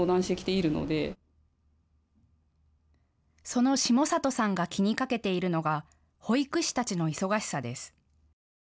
その下里さんが気にかけているのが保育士たちの忙しさです。